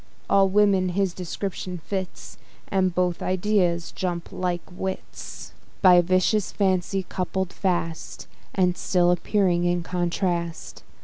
All women his description fits, And both ideas jump like wits; By vicious fancy coupled fast, And still appearing in contrast.